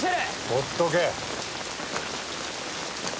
「ほっとけ」